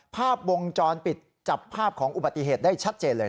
ภาพวงจรปิดจับภาพของอุบัติเหตุได้ชัดเจนเลย